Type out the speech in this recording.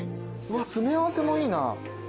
詰め合わせもいいな。